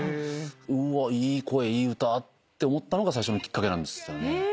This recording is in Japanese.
うわいい声いい歌って思ったのが最初のきっかけなんですよね。